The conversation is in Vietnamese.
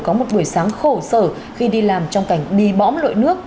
có một buổi sáng khổ sở khi đi làm trong cảnh bì bõm lội nước